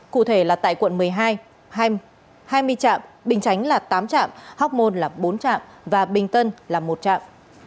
cụ thể là tại quận một mươi hai trạm bình chánh là tám trạm hóc môn là bốn trạm và bình tân là một trạm